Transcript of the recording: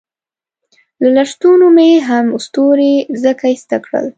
له لستوڼو مې هم ستوري ځکه ایسته کړل.